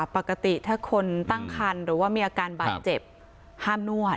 ปกติถ้าคนตั้งคันหรือว่ามีอาการบาดเจ็บห้ามนวด